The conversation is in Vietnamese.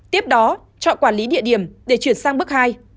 tiếp đó chọn quản lý địa điểm để chuyển sang bước hai